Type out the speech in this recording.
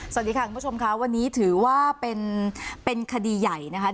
สวัสดีค่ะคุณผู้ชมค่ะวันนี้ถือว่าเป็นคดีใหญ่นะคะ